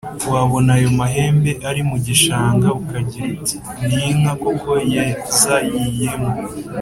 wabona ayo mahembe ari mu gishanga ukagira uti ni inka koko yazayiyemo.